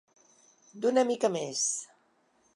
D'una mica més.